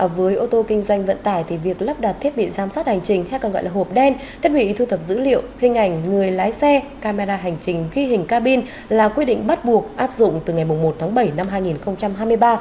với ô tô kinh doanh vận tải thì việc lắp đặt thiết bị giám sát hành trình theo gọi là hộp đen thiết bị thu thập dữ liệu hình ảnh người lái xe camera hành trình ghi hình cabin là quy định bắt buộc áp dụng từ ngày một tháng bảy năm hai nghìn hai mươi ba